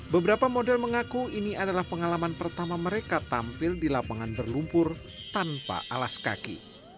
beberapa model mengaku ini adalah pengalaman pertama mereka tampil di lapangan berlumpur tanpa alas kaki